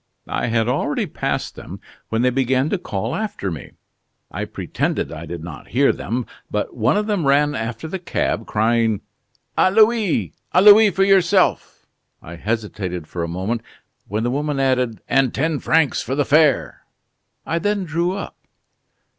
"I had already passed them, when they began to call after me. I pretended I did not hear them; but one of them ran after the cab, crying: 'A louis! a louis for yourself!' I hesitated for a moment, when the woman added: 'And ten francs for the fare!' I then drew up."